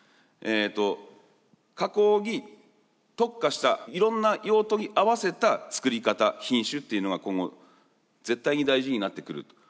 えと加工に特化したいろんな用途に合わせた作り方品種っていうのが今後絶対に大事になってくる。